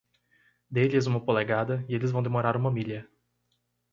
Dê-lhes uma polegada e eles vão demorar uma milha.